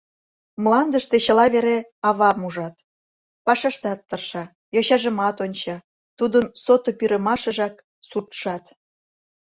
Мландыште чыла вере авам ужат: Пашаштат тырша, йочажымат онча, Тудын сото пӱрымашыжак — суртшат.